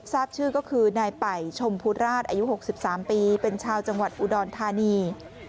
ทราบชื่อก็คือนายป่ายชมพูราชอายุ๖๓ปีเป็นชาวจังหวัดอุดรธานี